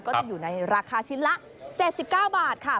ก็จะอยู่ในราคาชิ้นละ๗๙บาทค่ะ